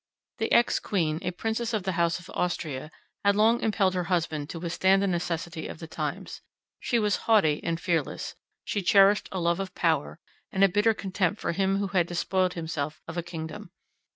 The ex queen, a princess of the house of Austria, had long impelled her husband to withstand the necessity of the times. She was haughty and fearless; she cherished a love of power, and a bitter contempt for him who had despoiled himself of a kingdom.